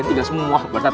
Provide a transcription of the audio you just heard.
ini tiga semua bersatu bapak